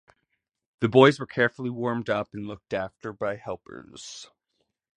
The boys were carefully warmed up and looked after by helpers.